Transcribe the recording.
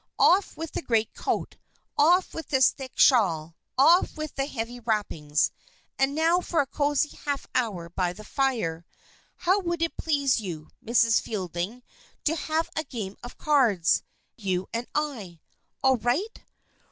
Off with the great coat, off with this thick shawl, off with the heavy wrappings! And now for a cozy half hour by the fire. How would it please you, Mrs. Fielding, to have a game of cards, you and I? All right?